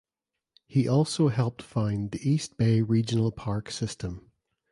He also helped found the East Bay Regional Park system.